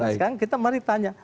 sekarang kita mari tanya